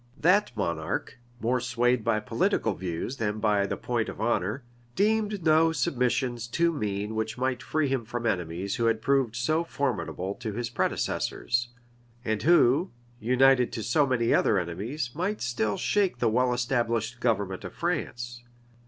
That monarch, more swayed by political views than by the point of honor, deemed no submissions too mean which might free him from enemies who had proved so formidable to his predecessors, and who, united to so many other enemies, might still shake the well established government of France.